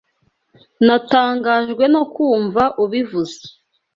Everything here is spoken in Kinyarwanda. Natangajwe no kumva ubivuze.